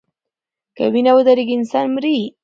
که وینه ودریږي انسان مري.